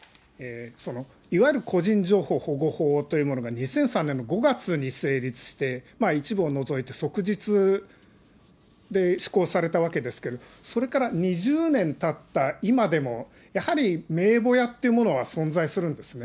いわゆる個人情報保護法というものが２００３年の５月に成立して、一部を除いて即日で施行されたわけですけど、それから２０年たった今でも、やはり名簿屋っていうものは存在するんですね。